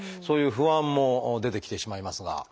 そういう不安も出てきてしまいますが。